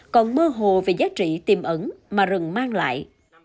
còn mơ hồ về giá trị tiềm ẩn mà rừng mang lại